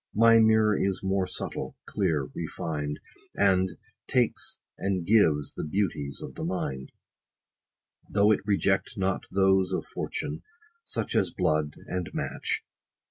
My mirror is more subtle, clear, refined, And.takes and gives the beauties of the mind ; Though it reject not those of fortune : such As blood, and match.